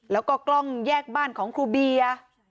แล้วก็กล้องแยกบ้านของครูเบียร์